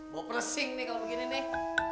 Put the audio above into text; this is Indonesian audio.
mau presing nih kalau begini nih